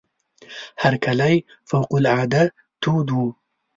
هرکلی فوق العاده تود وو.